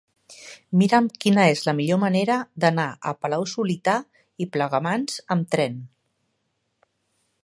Mira'm quina és la millor manera d'anar a Palau-solità i Plegamans amb tren.